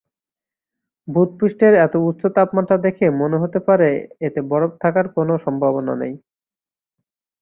বুধ পৃষ্ঠের এত উচ্চ তাপমাত্রা দেখে মনে হতে পারে এতে বরফ থাকার কোন সম্ভাবনা নেই।